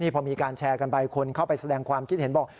พอมีการแชร์กันไปคนเข้าไปแสดงความคิดเห็นบอก